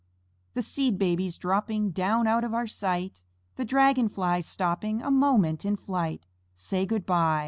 The Seed Babies dropping Down out of our sight, The Dragon flies stopping A moment in flight, Say, "Good by."